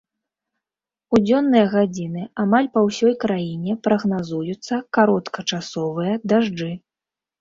У дзённыя гадзіны амаль па ўсёй краіне прагназуюцца кароткачасовыя дажджы.